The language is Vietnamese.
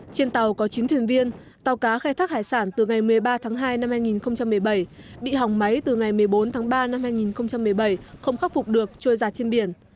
trên tàu có chín thuyền viên tàu cá khai thác hải sản từ ngày một mươi ba tháng hai năm hai nghìn một mươi bảy bị hỏng máy từ ngày một mươi bốn tháng ba năm hai nghìn một mươi bảy không khắc phục được trôi giặt trên biển